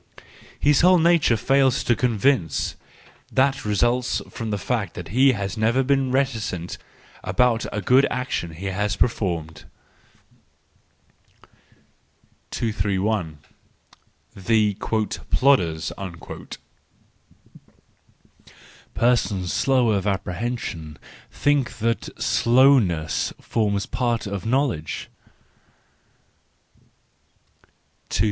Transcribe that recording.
—His whole nature fails to convince —that results from the fact that he has never been reticent about a good action he has performed. 202 THE JOYFUL WISDOM, III 231. The " Plodders ."—Persons slow of apprehension think that slowness forms part of knowledge. 232.